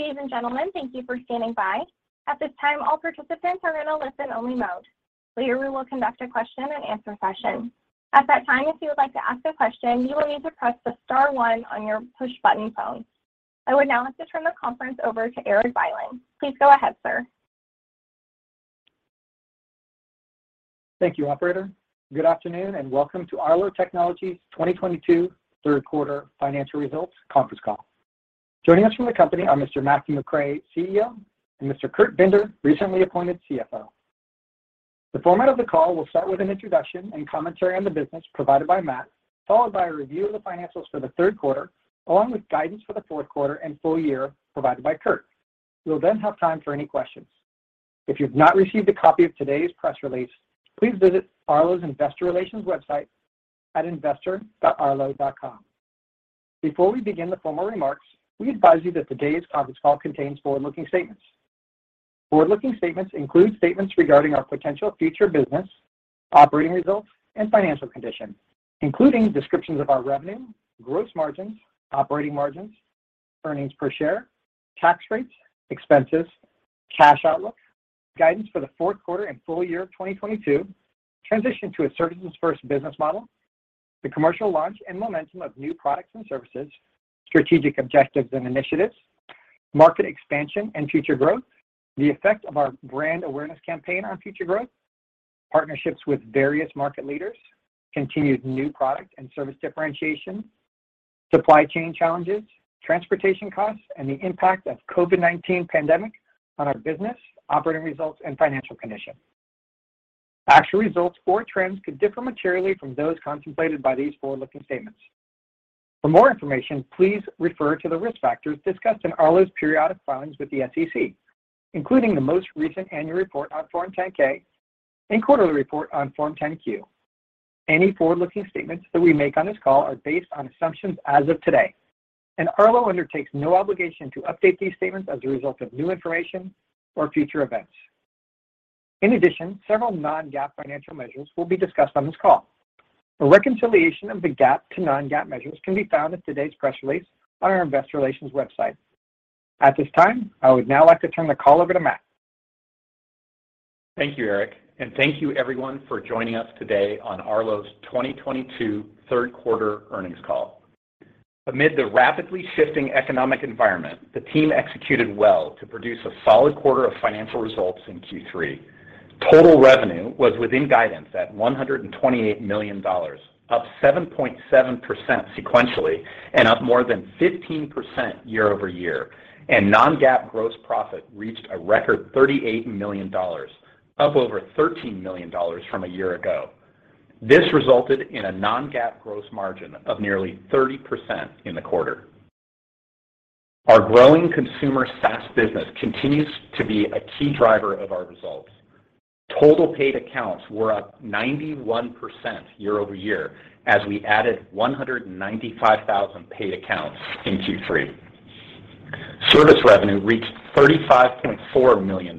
Ladies and gentlemen, thank you for standing by. At this time, all participants are in a listen-only mode. Later, we will conduct a question-and-answer session. At that time, if you would like to ask a question, you will need to press the star one on your push-button phone. I would now like to turn the conference over to Erik Bylin. Please go ahead, sir. Thank you, operator. Good afternoon, and welcome to Arlo Technologies' 2022 third quarter financial results conference call. Joining us from the company are Mr. Matthew McRae, CEO, and Mr. Kurt Binder, recently appointed CFO. The format of the call will start with an introduction and commentary on the business provided by Matt, followed by a review of the financials for the third quarter, along with guidance for the fourth quarter and full year provided by Kurt. We'll then have time for any questions. If you've not received a copy of today's press release, please visit Arlo's investor relations website at investor.arlo.com. Before we begin the formal remarks, we advise you that today's conference call contains forward-looking statements. Forward-looking statements include statements regarding our potential future business, operating results, and financial condition, including descriptions of our revenue, gross margins, operating margins, earnings per share, tax rates, expenses, cash outlook, guidance for the fourth quarter and full year of 2022, transition to a services first business model, the commercial launch and momentum of new products and services, strategic objectives and initiatives, market expansion and future growth, the effect of our brand awareness campaign on future growth, partnerships with various market leaders, continued new product and service differentiation, supply chain challenges, transportation costs, and the impact of COVID-19 pandemic on our business, operating results, and financial condition. Actual results or trends could differ materially from those contemplated by these forward-looking statements. For more information, please refer to the risk factors discussed in Arlo's periodic filings with the SEC, including the most recent annual report on Form 10-K and quarterly report on Form 10-Q. Any forward-looking statements that we make on this call are based on assumptions as of today, and Arlo undertakes no obligation to update these statements as a result of new information or future events. In addition, several non-GAAP financial measures will be discussed on this call. A reconciliation of the GAAP to non-GAAP measures can be found at today's press release on our investor relations website. At this time, I would now like to turn the call over to Matt. Thank you, Erik. Thank you everyone for joining us today on Arlo's 2022 third quarter earnings call. Amid the rapidly shifting economic environment, the team executed well to produce a solid quarter of financial results in Q3. Total revenue was within guidance at $128 million, up 7.7% sequentially and up more than 15% year-over-year, and non-GAAP gross profit reached a record $38 million, up over $13 million from a year ago. This resulted in a non-GAAP gross margin of nearly 30% in the quarter. Our growing consumer SaaS business continues to be a key driver of our results. Total paid accounts were up 91% year-over-year as we added 195,000 paid accounts in Q3. Service revenue reached $35.4 million,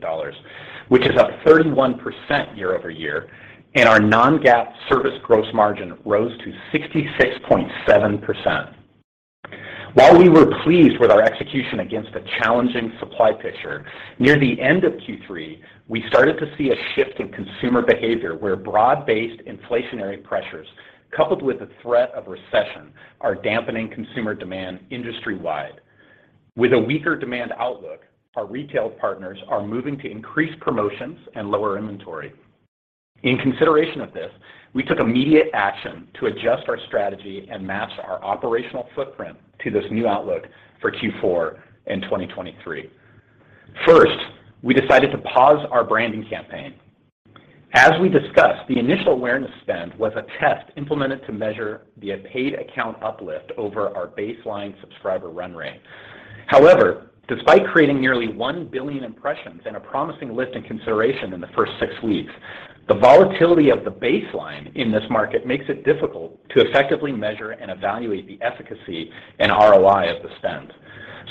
which is up 31% year-over-year, and our non-GAAP service gross margin rose to 66.7%. While we were pleased with our execution against a challenging supply picture, near the end of Q3, we started to see a shift in consumer behavior where broad-based inflationary pressures, coupled with the threat of recession, are dampening consumer demand industry-wide. With a weaker demand outlook, our retail partners are moving to increase promotions and lower inventory. In consideration of this, we took immediate action to adjust our strategy and match our operational footprint to this new outlook for Q4 and 2023. First, we decided to pause our branding campaign. As we discussed, the initial awareness spend was a test implemented to measure the paid account uplift over our baseline subscriber run rate. However, despite creating nearly 1 billion impressions and a promising lift in consideration in the first 6 weeks, the volatility of the baseline in this market makes it difficult to effectively measure and evaluate the efficacy and ROI of the spend.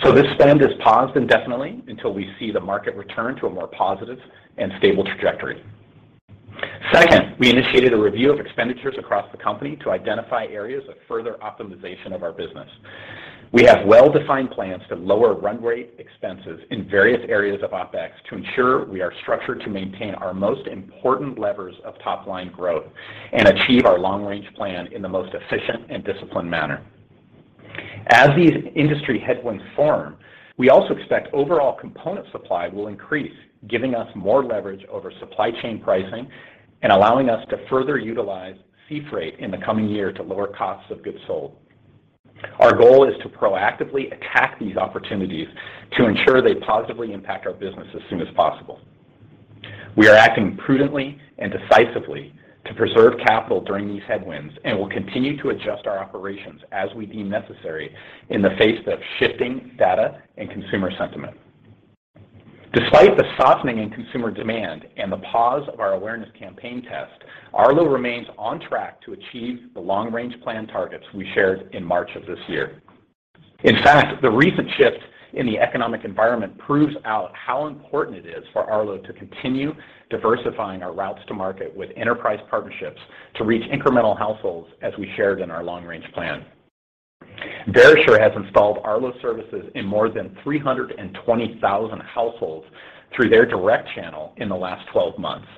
This spend is paused indefinitely until we see the market return to a more positive and stable trajectory. Second, we initiated a review of expenditures across the company to identify areas of further optimization of our business. We have well-defined plans to lower run rate expenses in various areas of OpEx to ensure we are structured to maintain our most important levers of top-line growth and achieve our long-range plan in the most efficient and disciplined manner. As these industry headwinds form, we also expect overall component supply will increase, giving us more leverage over supply chain pricing and allowing us to further utilize sea freight in the coming year to lower costs of goods sold. Our goal is to proactively attack these opportunities to ensure they positively impact our business as soon as possible. We are acting prudently and decisively to preserve capital during these headwinds and will continue to adjust our operations as we deem necessary in the face of shifting data and consumer sentiment. Despite the softening in consumer demand and the pause of our awareness campaign test, Arlo remains on track to achieve the long-range plan targets we shared in March of this year. In fact, the recent shift in the economic environment proves out how important it is for Arlo to continue diversifying our routes to market with enterprise partnerships to reach incremental households as we shared in our long-range plan. Verisure has installed Arlo services in more than 320,000 households through their direct channel in the last 12 months.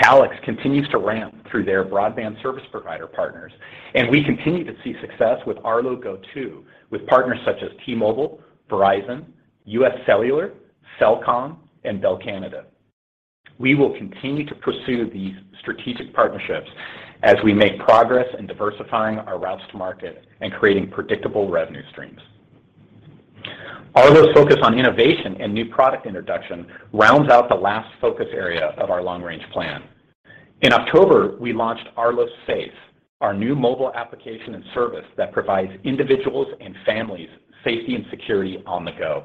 Calix continues to ramp through their broadband service provider partners, and we continue to see success with Arlo Go 2 with partners such as T-Mobile, Verizon, UScellular, Cellcom and Bell Canada. We will continue to pursue these strategic partnerships as we make progress in diversifying our routes to market and creating predictable revenue streams. Arlo's focus on innovation and new product introduction rounds out the last focus area of our long-range plan. In October, we launched Arlo Safe, our new mobile application and service that provides individuals and families safety and security on the go.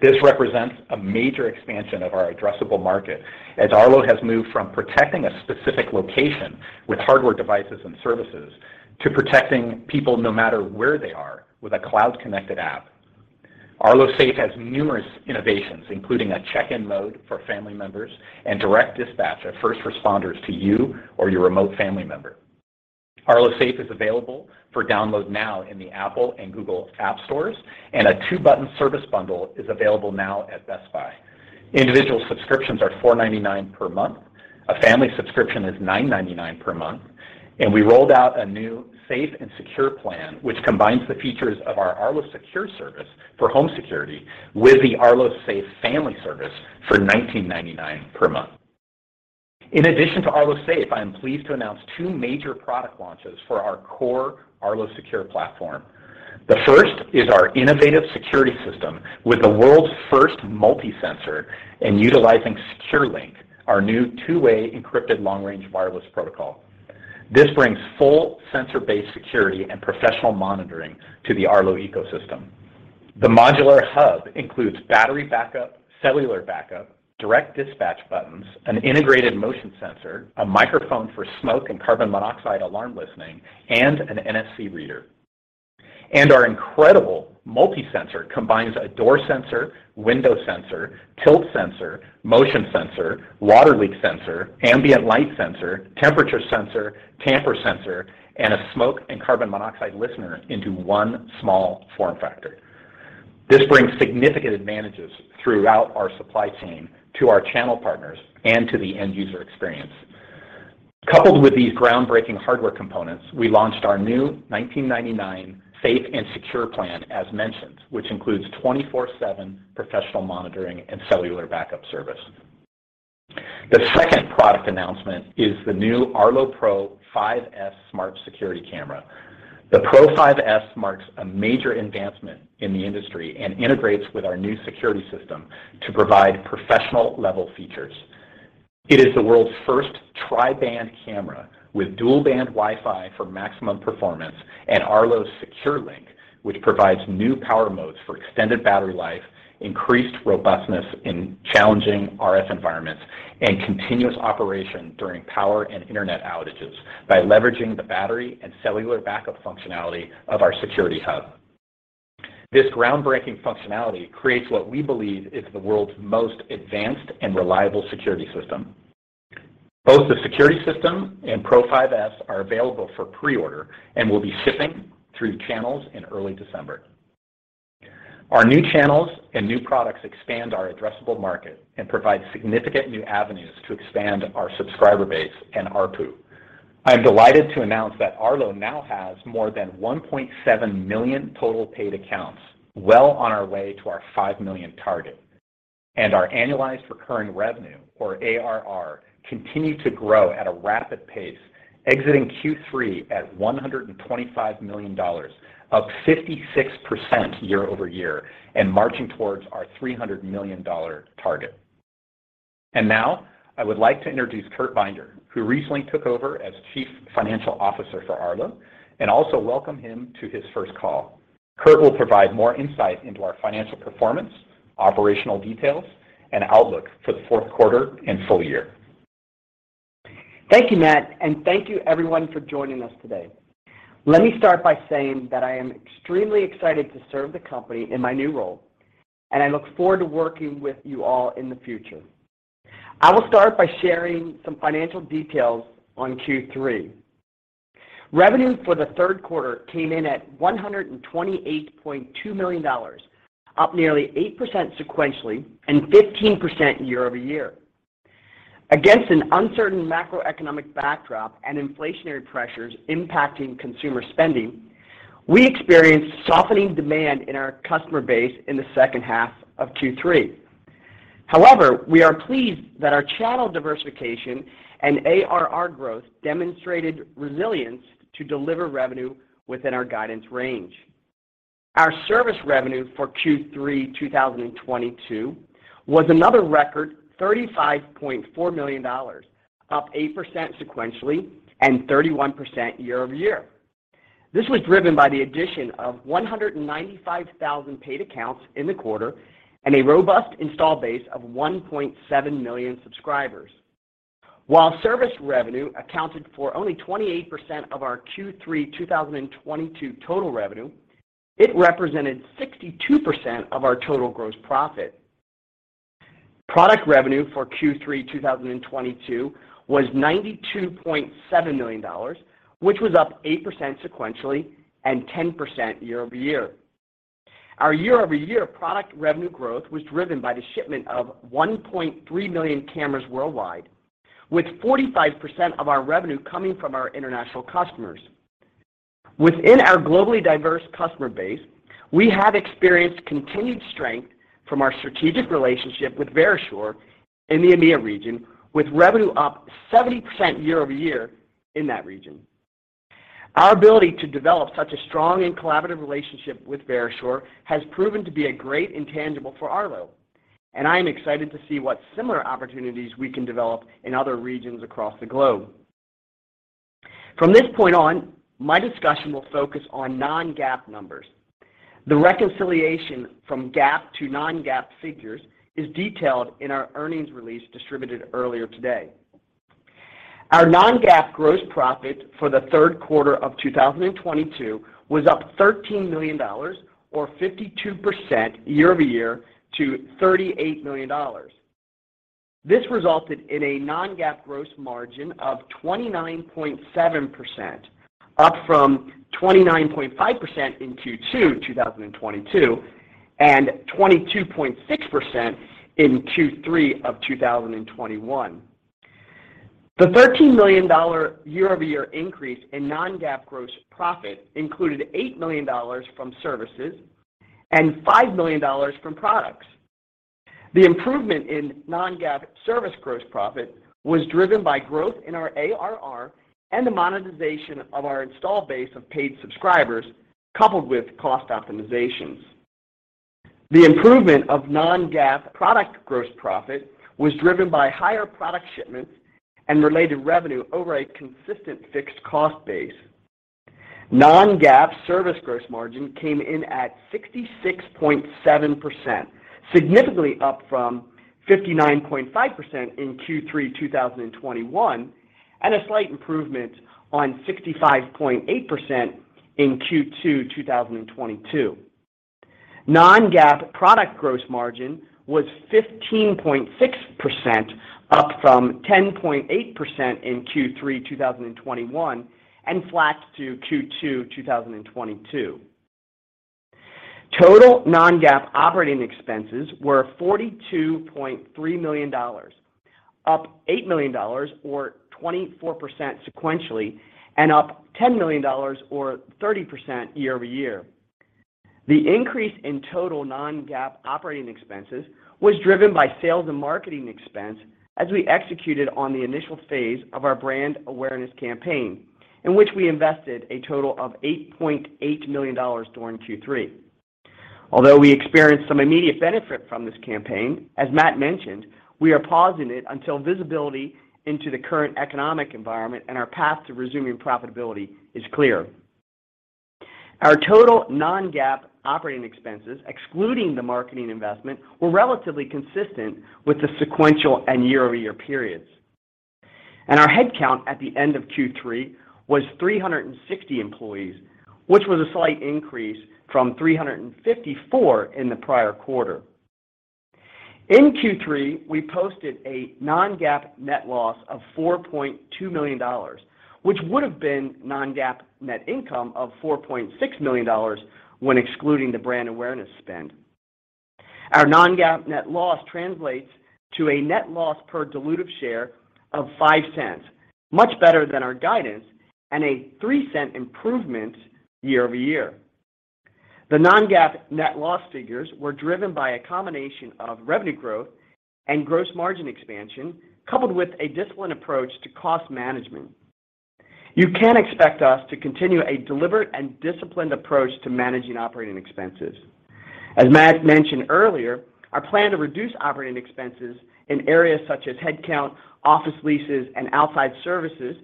This represents a major expansion of our addressable market as Arlo has moved from protecting a specific location with hardware devices and services to protecting people no matter where they are with a cloud connected app. Arlo Safe has numerous innovations, including a check-in mode for family members and direct dispatch of first responders to you or your remote family member. Arlo Safe is available for download now in the Apple and Google App Stores, and a two-button service bundle is available now at Best Buy. Individual subscriptions are $4.99 per month. A family subscription is $9.99 per month, and we rolled out a new Safe and Secure plan, which combines the features of our Arlo Secure service for home security with the Arlo Safe family service for $19.99 per month. In addition to Arlo Safe, I am pleased to announce two major product launches for our core Arlo Secure platform. The first is our innovative security system with the world's first multi-sensor and utilizing SecureLink, our new two-way encrypted long-range wireless protocol. This brings full sensor-based security and professional monitoring to the Arlo ecosystem. The modular hub includes battery backup, cellular backup, direct dispatch buttons, an integrated motion sensor, a microphone for smoke and carbon monoxide alarm listening, and an NFC reader. Our incredible multi-sensor combines a door sensor, window sensor, tilt sensor, motion sensor, water leak sensor, ambient light sensor, temperature sensor, tamper sensor, and a smoke and carbon monoxide listener into one small form factor. This brings significant advantages throughout our supply chain to our channel partners and to the end user experience. Coupled with these groundbreaking hardware components, we launched our new $19.99 Safe and Secure plan as mentioned, which includes 24/7 professional monitoring and cellular backup service. The second product announcement is the new Arlo Pro 5S Smart Security Camera. The Pro 5S marks a major advancement in the industry and integrates with our new security system to provide professional level features. It is the world's first tri-band camera with dual-band Wi-Fi for maximum performance and Arlo SecureLink, which provides new power modes for extended battery life, increased robustness in challenging RF environments, and continuous operation during power and internet outages by leveraging the battery and cellular backup functionality of our security hub. This groundbreaking functionality creates what we believe is the world's most advanced and reliable security system. Both the security system and Pro 5S are available for pre-order and will be shipping through channels in early December. Our new channels and new products expand our addressable market and provide significant new avenues to expand our subscriber base and ARPU. I am delighted to announce that Arlo now has more than 1.7 million total paid accounts, well on our way to our 5 million target and our annualized recurring revenue or ARR continue to grow at a rapid pace, exiting Q3 at $125 million, up 56% year-over-year and marching towards our $300 million target. Now I would like to introduce Kurt Binder, who recently took over as Chief Financial Officer for Arlo, and also welcome him to his first call. Kurt will provide more insight into our financial performance, operational details and outlook for the fourth quarter and full year. Thank you, Matt, and thank you everyone for joining us today. Let me start by saying that I am extremely excited to serve the company in my new role, and I look forward to working with you all in the future. I will start by sharing some financial details on Q3. Revenue for the third quarter came in at $128.2 million, up nearly 8% sequentially and 15% year-over-year. Against an uncertain macroeconomic backdrop and inflationary pressures impacting consumer spending, we experienced softening demand in our customer base in the second half of Q3. However, we are pleased that our channel diversification and ARR growth demonstrated resilience to deliver revenue within our guidance range. Our service revenue for Q3 2022 was another record, $35.4 million, up 8% sequentially and 31% year-over-year. This was driven by the addition of 195,000 paid accounts in the quarter and a robust install base of 1.7 million subscribers. While service revenue accounted for only 28% of our Q3 2022 total revenue, it represented 62% of our total gross profit. Product revenue for Q3 2022 was $92.7 million, which was up 8% sequentially and 10% year-over-year. Our year-over-year product revenue growth was driven by the shipment of 1.3 million cameras worldwide, with 45% of our revenue coming from our international customers. Within our globally diverse customer base, we have experienced continued strength from our strategic relationship with Verisure in the EMEA region, with revenue up 70% year-over-year in that region. Our ability to develop such a strong and collaborative relationship with Verisure has proven to be a great intangible for Arlo, and I am excited to see what similar opportunities we can develop in other regions across the globe. From this point on, my discussion will focus on non-GAAP numbers. The reconciliation from GAAP to non-GAAP figures is detailed in our earnings release distributed earlier today. Our non-GAAP gross profit for the third quarter of 2022 was up $13 million or 52% year-over-year to $38 million. This resulted in a non-GAAP gross margin of 29.7%, up from 29.5% in Q2 2022 and 22.6% in Q3 2021. The $13 million year-over-year increase in non-GAAP gross profit included $8 million from services and $5 million from products. The improvement in non-GAAP service gross profit was driven by growth in our ARR and the monetization of our install base of paid subscribers, coupled with cost optimizations. The improvement of non-GAAP product gross profit was driven by higher product shipments and related revenue over a consistent fixed cost base. Non-GAAP service gross margin came in at 66.7%, significantly up from 59.5% in Q3 2021, and a slight improvement on 65.8% in Q2 2022. non-GAAP product gross margin was 15.6%, up from 10.8% in Q3 2021 and flat to Q2 2022. Total non-GAAP operating expenses were $42.3 million, up $8 million or 24% sequentially and up $10 million or 30% year-over-year. The increase in total non-GAAP operating expenses was driven by sales and marketing expense as we executed on the initial phase of our brand awareness campaign, in which we invested a total of $8.8 million during Q3. Although we experienced some immediate benefit from this campaign, as Matt mentioned, we are pausing it until visibility into the current economic environment and our path to resuming profitability is clear. Our total non-GAAP operating expenses, excluding the marketing investment, were relatively consistent with the sequential and year-over-year periods, and our headcount at the end of Q3 was 360 employees, which was a slight increase from 354 in the prior quarter. In Q3, we posted a non-GAAP net loss of $4.2 million, which would have been non-GAAP net income of $4.6 million when excluding the brand awareness spend. Our non-GAAP net loss translates to a net loss per dilutive share of $0.05, much better than our guidance and a $0.03 improvement year-over-year. The non-GAAP net loss figures were driven by a combination of revenue growth and gross margin expansion, coupled with a disciplined approach to cost management. You can expect us to continue a deliberate and disciplined approach to managing operating expenses. As Matt mentioned earlier, our plan to reduce operating expenses in areas such as headcount, office leases, and outside services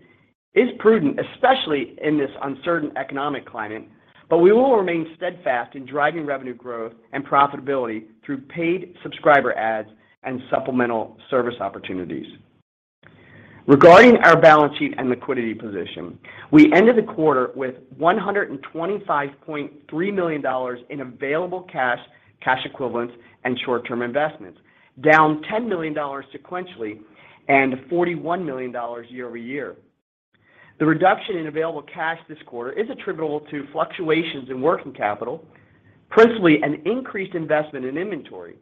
is prudent, especially in this uncertain economic climate. We will remain steadfast in driving revenue growth and profitability through paid subscriber ads and supplemental service opportunities. Regarding our balance sheet and liquidity position, we ended the quarter with $125.3 million in available cash equivalents and short-term investments, down $10 million sequentially and $41 million year-over-year. The reduction in available cash this quarter is attributable to fluctuations in working capital, principally an increased investment in inventory.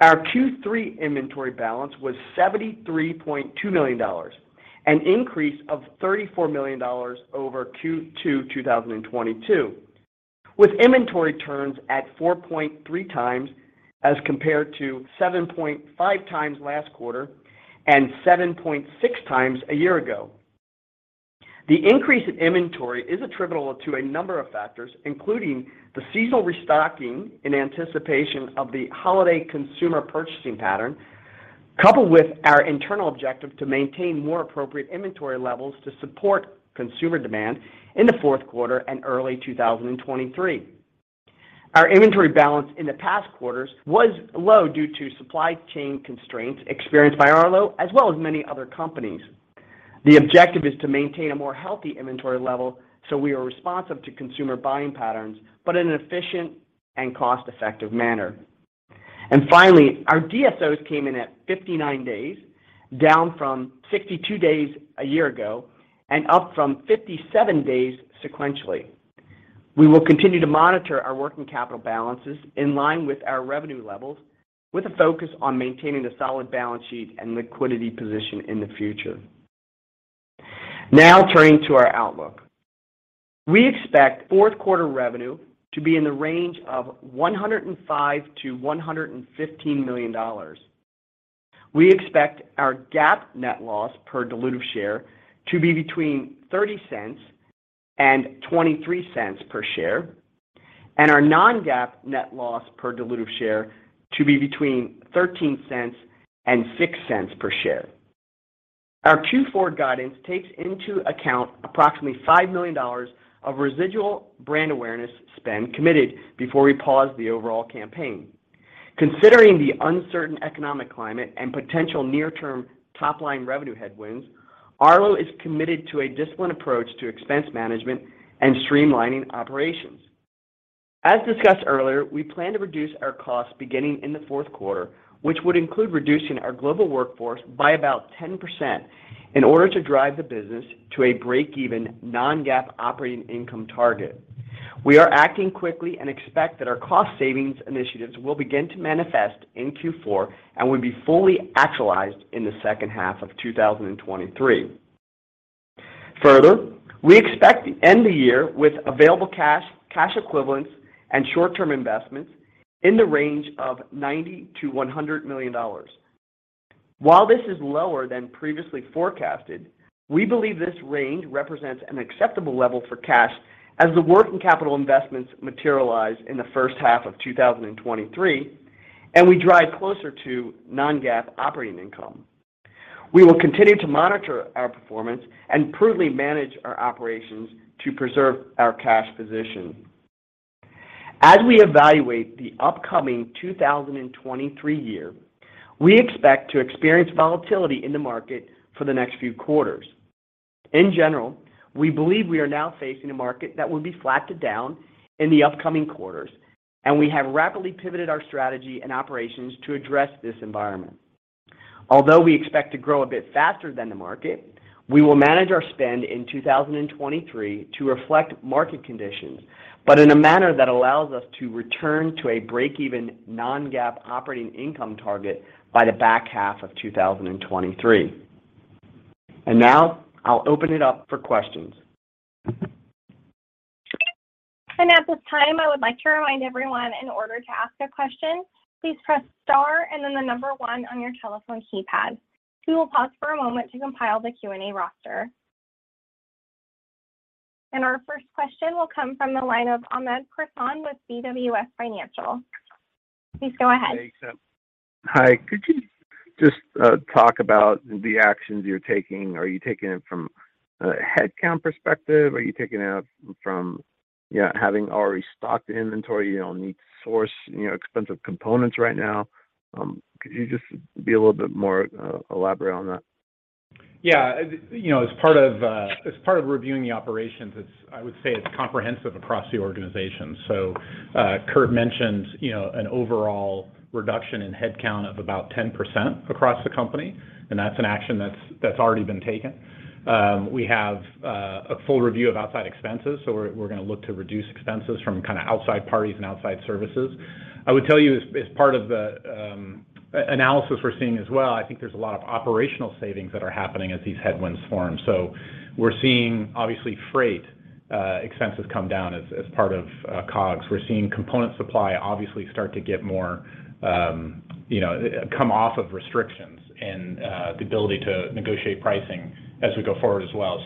Our Q3 inventory balance was $73.2 million, an increase of $34 million over Q2 2022, with inventory turns at 4.3 times as compared to 7.5 times last quarter and 7.6 times a year ago. The increase in inventory is attributable to a number of factors, including the seasonal restocking in anticipation of the holiday consumer purchasing pattern, coupled with our internal objective to maintain more appropriate inventory levels to support consumer demand in the fourth quarter and early 2023. Our inventory balance in the past quarters was low due to supply chain constraints experienced by Arlo, as well as many other companies. The objective is to maintain a more healthy inventory level so we are responsive to consumer buying patterns, but in an efficient and cost-effective manner. Finally, our DSO came in at 59 days, down from 62 days a year ago, and up from 57 days sequentially. We will continue to monitor our working capital balances in line with our revenue levels, with a focus on maintaining a solid balance sheet and liquidity position in the future. Now turning to our outlook. We expect fourth quarter revenue to be in the range of $105 million-$115 million. We expect our GAAP net loss per dilutive share to be between $0.30 and $0.23 per share, and our non-GAAP net loss per dilutive share to be between $0.13 and $0.06 per share. Our Q4 guidance takes into account approximately $5 million of residual brand awareness spend committed before we pause the overall campaign. Considering the uncertain economic climate and potential near-term top-line revenue headwinds, Arlo is committed to a disciplined approach to expense management and streamlining operations. As discussed earlier, we plan to reduce our costs beginning in the fourth quarter, which would include reducing our global workforce by about 10% in order to drive the business to a break-even non-GAAP operating income target. We are acting quickly and expect that our cost savings initiatives will begin to manifest in Q4 and will be fully actualized in the second half of 2023. Further, we expect to end the year with available cash equivalents, and short-term investments in the range of $90 million-$100 million. While this is lower than previously forecasted, we believe this range represents an acceptable level for cash as the working capital investments materialize in the first half of 2023, and we drive closer to non-GAAP operating income. We will continue to monitor our performance and prudently manage our operations to preserve our cash position. As we evaluate the upcoming 2023 year, we expect to experience volatility in the market for the next few quarters. In general, we believe we are now facing a market that will be flat to down in the upcoming quarters, and we have rapidly pivoted our strategy and operations to address this environment. Although we expect to grow a bit faster than the market, we will manage our spend in 2023 to reflect market conditions, but in a manner that allows us to return to a break-even non-GAAP operating income target by the back half of 2023. Now I'll open it up for questions. At this time, I would like to remind everyone in order to ask a question, please press star and then the number one on your telephone keypad. We will pause for a moment to compile the Q&A roster. Our first question will come from the line of Hamed Khorsand with BWS Financial. Please go ahead. Thanks. Hi. Could you just talk about the actions you're taking? Are you taking it from a headcount perspective? Are you taking it out from, you know, having already stocked inventory, you don't need to source, you know, expensive components right now? Could you just be a little bit more elaborate on that? Yeah. You know, as part of reviewing the operations, I would say it's comprehensive across the organization. Kurt mentioned an overall reduction in headcount of about 10% across the company, and that's an action that's already been taken. We have a full review of outside expenses, so we're gonna look to reduce expenses from kind of outside parties and outside services. I would tell you as part of the analysis we're seeing as well, I think there's a lot of operational savings that are happening as these headwinds form. We're seeing obviously freight expenses come down as part of COGS. We're seeing component supply obviously start to get more, you know, come off of restrictions and the ability to negotiate pricing as we go forward as well.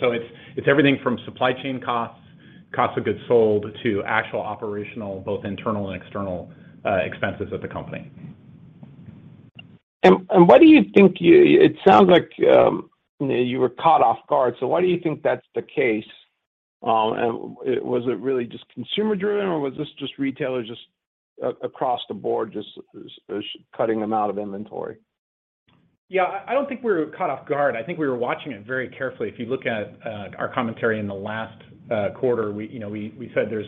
It's everything from supply chain costs, cost of goods sold, to actual operational, both internal and external, expenses of the company. Why do you think it sounds like, you know, you were caught off guard, so why do you think that's the case? Was it really just consumer driven, or was this just retailers across the board just cutting them out of inventory? Yeah. I don't think we were caught off guard. I think we were watching it very carefully. If you look at our commentary in the last quarter, we, you know, we said there's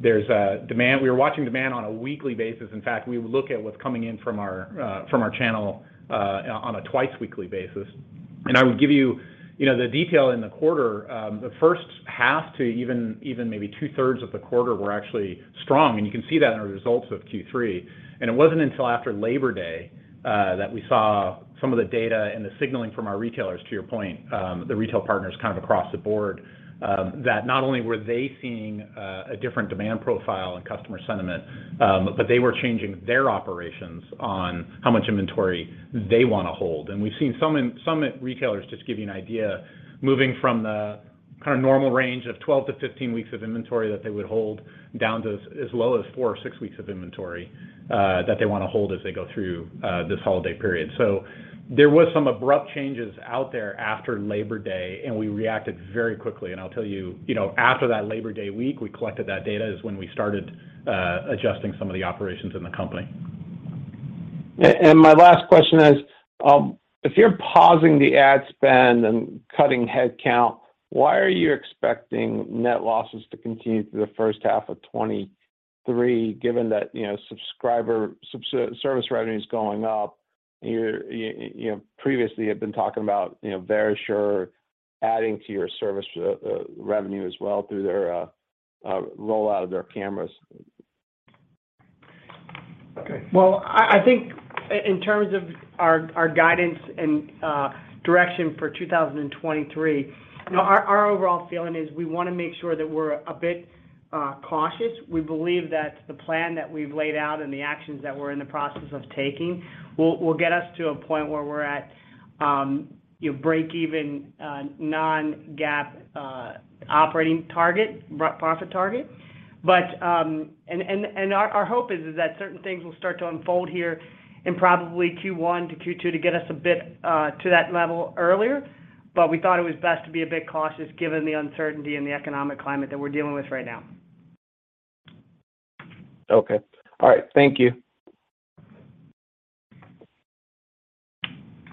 demand. We were watching demand on a weekly basis. In fact, we would look at what's coming in from our channel on a twice weekly basis. I would give you know, the detail in the quarter. The first half to even maybe two-thirds of the quarter were actually strong, and you can see that in our results of Q3. It wasn't until after Labor Day that we saw some of the data and the signaling from our retailers, to your point, the retail partners kind of across the board, that not only were they seeing a different demand profile and customer sentiment, but they were changing their operations on how much inventory they wanna hold. We've seen some retailers, just to give you an idea, moving from the kind of normal range of 12-15 weeks of inventory that they would hold down to as low as 4 or 6 weeks of inventory that they wanna hold as they go through this holiday period. There was some abrupt changes out there after Labor Day, and we reacted very quickly. I'll tell you know, after that Labor Day week, we collected that data, is when we started adjusting some of the operations in the company. My last question is, if you're pausing the ad spend and cutting head count, why are you expecting net losses to continue through the first half of 2023, given that, you know, subscription service revenue is going up? You previously had been talking about, you know, Verisure adding to your service revenue as well through their rollout of their cameras. Well, I think in terms of our guidance and direction for 2023, you know, our overall feeling is we wanna make sure that we're a bit cautious. We believe that the plan that we've laid out and the actions that we're in the process of taking will get us to a point where we're at, you know, breakeven non-GAAP operating profit target. Our hope is that certain things will start to unfold here in probably Q1 to Q2 to get us a bit to that level earlier. We thought it was best to be a bit cautious given the uncertainty in the economic climate that we're dealing with right now. Okay. All right. Thank you.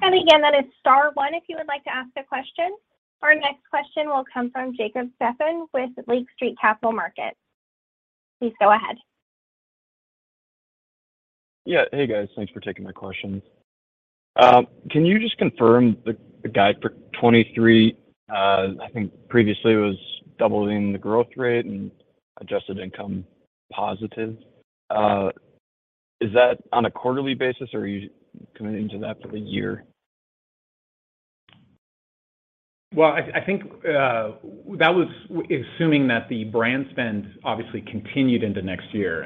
Again, that is star one if you would like to ask a question. Our next question will come from Jacob Stephan with Lake Street Capital Markets. Please go ahead. Yeah. Hey, guys. Thanks for taking my questions. Can you just confirm the guide for 2023? I think previously it was doubling the growth rate and adjusted income positive. Is that on a quarterly basis, or are you committing to that for the year? I think that was assuming that the brand spend obviously continued into next year.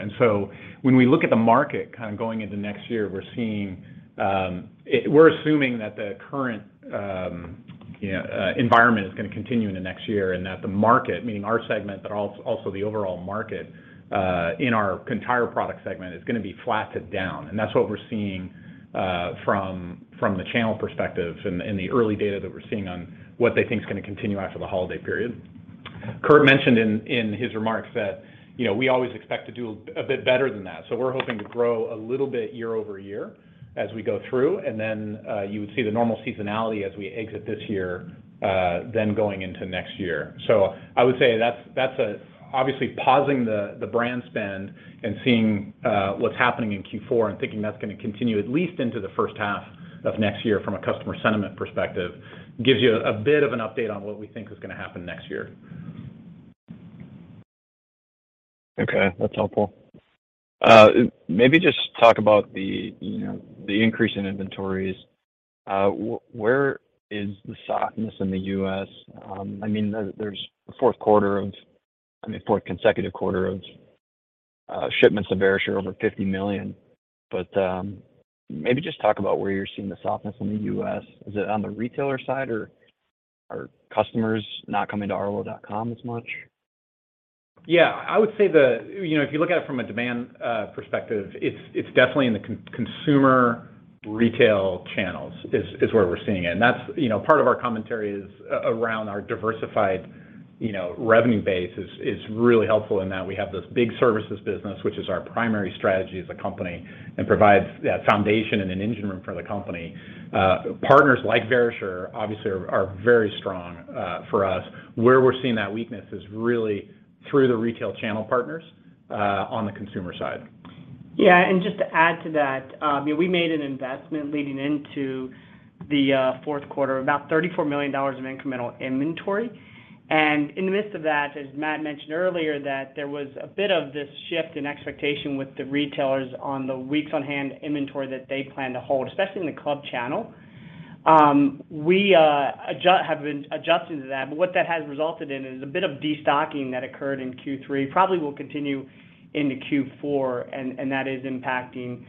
When we look at the market kind of going into next year, we're assuming that the current, you know, environment is gonna continue into next year, and that the market, meaning our segment, but also the overall market in our entire product segment is gonna be flat to down. That's what we're seeing from the channel perspective and the early data that we're seeing on what they think is gonna continue after the holiday period. Kurt mentioned in his remarks that, you know, we always expect to do a bit better than that. We're hoping to grow a little bit year-over-year as we go through, and then you would see the normal seasonality as we exit this year, then going into next year. I would say that's obviously pausing the brand spend and seeing what's happening in Q4 and thinking that's gonna continue at least into the first half of next year from a customer sentiment perspective, gives you a bit of an update on what we think is gonna happen next year. Okay. That's helpful. Maybe just talk about the, you know, the increase in inventories. Where is the softness in the U.S.? I mean, there's a fourth consecutive quarter of shipments of Verisure over 50 million. But maybe just talk about where you're seeing the softness in the U.S. Is it on the retailer side or are customers not coming to arlo.com as much? Yeah. I would say. You know, if you look at it from a demand perspective, it's definitely in the consumer retail channels is where we're seeing it. That's, you know, part of our commentary is around our diversified, you know, revenue base is really helpful in that we have this big services business, which is our primary strategy as a company and provides that foundation and an engine room for the company. Partners like Verisure obviously are very strong for us. Where we're seeing that weakness is really through the retail channel partners on the consumer side. Yeah. Just to add to that, you know, we made an investment leading into the fourth quarter, about $34 million of incremental inventory. In the midst of that, as Matt mentioned earlier, that there was a bit of this shift in expectation with the retailers on the weeks on hand inventory that they plan to hold, especially in the club channel. We have been adjusting to that, but what that has resulted in is a bit of destocking that occurred in Q3, probably will continue into Q4, and that is impacting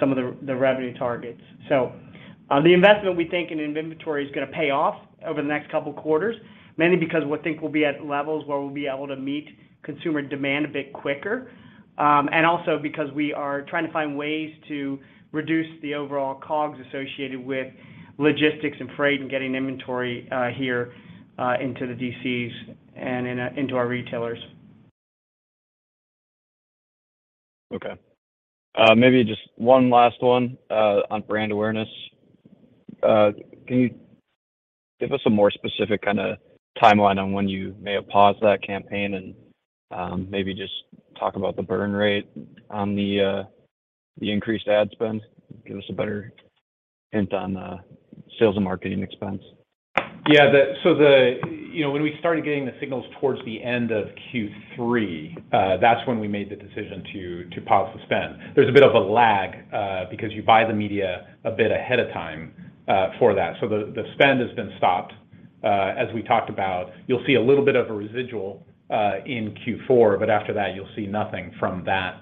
some of the revenue targets. The investment we think in inventory is gonna pay off over the next couple quarters, mainly because we think we'll be at levels where we'll be able to meet consumer demand a bit quicker, and also because we are trying to find ways to reduce the overall COGS associated with logistics and freight and getting inventory here into the DC and into our retailers. Okay. Maybe just one last one on brand awareness. Can you give us a more specific kinda timeline on when you may have paused that campaign and, maybe just talk about the burn rate on the increased ad spend? Give us a better hint on the sales and marketing expense. Yeah. You know, when we started getting the signals towards the end of Q3, that's when we made the decision to pause the spend. There's a bit of a lag because you buy the media a bit ahead of time for that. The spend has been stopped. As we talked about, you'll see a little bit of a residual in Q4, but after that you'll see nothing from that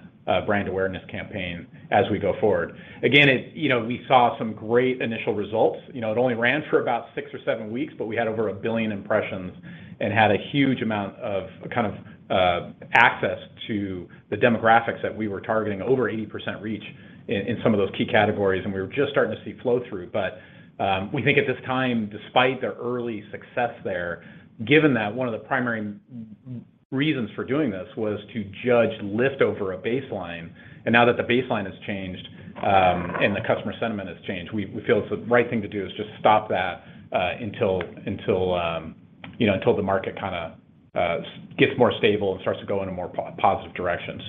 brand awareness campaign as we go forward. Again, you know, we saw some great initial results. You know, it only ran for about 6 or 7 weeks, but we had over 1 billion impressions and had a huge amount of kind of access to the demographics that we were targeting, over 80% reach in some of those key categories, and we were just starting to see flow-through. We think at this time, despite the early success there, given that one of the primary reasons for doing this was to judge lift over a baseline, and now that the baseline has changed, and the customer sentiment has changed, we feel it's the right thing to do is just stop that until you know, until the market kinda gets more stable and starts to go in a more positive direction.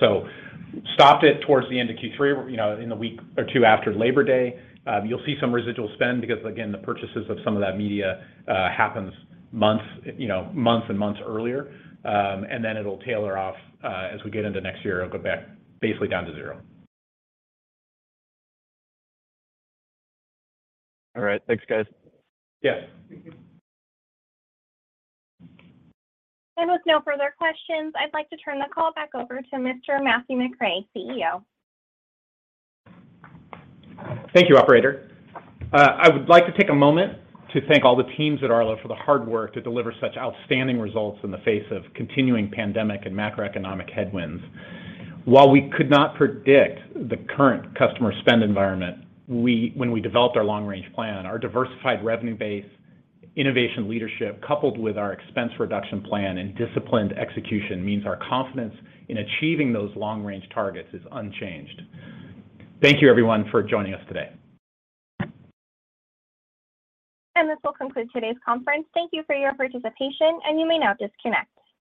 Stopped it towards the end of Q3, in the week or two after Labor Day. You'll see some residual spend because, again, the purchases of some of that media happens months and months earlier. It'll taper off as we get into next year. It'll go back basically down to zero. All right. Thanks, guys. Yes. Thank you. With no further questions, I'd like to turn the call back over to Mr. Matthew McRae, CEO. Thank you, operator. I would like to take a moment to thank all the teams at Arlo for the hard work to deliver such outstanding results in the face of continuing pandemic and macroeconomic headwinds. While we could not predict the current customer spend environment, when we developed our long range plan, our diversified revenue base innovation leadership, coupled with our expense reduction plan and disciplined execution, means our confidence in achieving those long range targets is unchanged. Thank you everyone for joining us today. This will conclude today's conference. Thank you for your participation, and you may now disconnect.